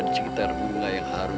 di sekitar bunga yang harum